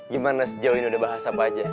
gimana sejauh ini udah bahas apa aja